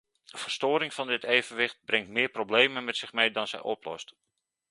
Verstoring van dit evenwicht brengt meer problemen met zich mee dat zij oplost.